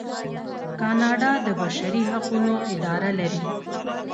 کاناډا د بشري حقونو اداره لري.